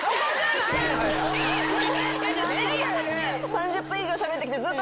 ３０分以上しゃべってきてずっと思ってたんだ。